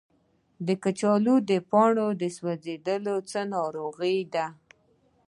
د کچالو د پاڼو سوځیدل څه ناروغي ده؟